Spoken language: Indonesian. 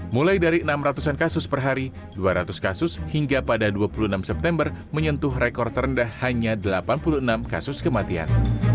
mulai dari enam ratus an kasus per hari dua ratus kasus hingga pada dua puluh enam september menyentuh rekor terendah hanya delapan puluh enam kasus kematian